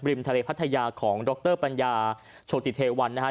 ทะเลพัทยาของดรปัญญาโชติเทวันนะฮะ